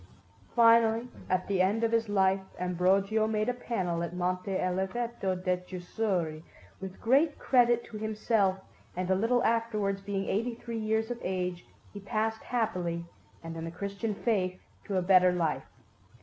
Finally, at the end of his life, Ambrogio made a panel at Monte Oliveto di Chiusuri with great credit to himself, and a little afterwards, being eighty three years of age, he passed happily and in the Christian faith to a better life.